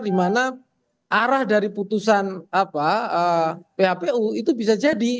dimana arah dari putusan phpu itu bisa jadi